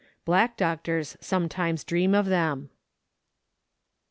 Black doctors sometimes dream of him."